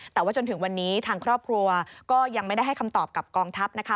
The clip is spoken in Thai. แต่ว่าจนถึงวันนี้ทางครอบครัวก็ยังไม่ได้ให้คำตอบกับกองทัพนะคะ